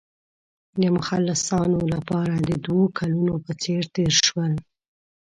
د مخلصانو لپاره د دوو کلونو په څېر تېر شول.